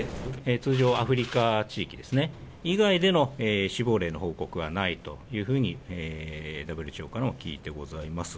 通常アフリカ地域ですね、以外での死亡例の報告はないというふうにＷＨＯからも聞いてございます。